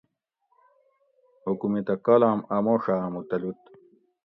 حکومیتہ کالام آۤموڛہ ہامو تلوت